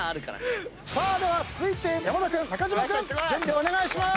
では続いて山田君中島君準備お願いしまーす！